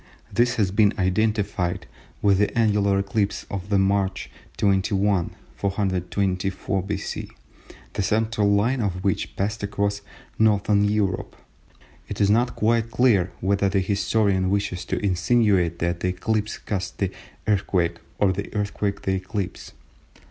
This has been identified with the annular eclipse of March 21, 424 B.C., the central line of which passed across Northern Europe. It is not quite clear whether the historian wishes to insinuate that the eclipse caused the earthquake or the earthquake the eclipse.